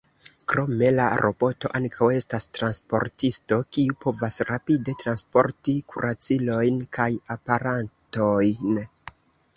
Krome, la roboto ankaŭ estas "transportisto", kiu povas rapide transporti kuracilojn kaj aparatojn.